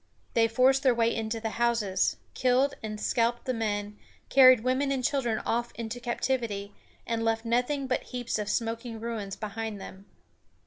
They forced their way into the houses, killed and scalped the men, carried women and children off into captivity, and left nothing but heaps of smoking ruins behind them.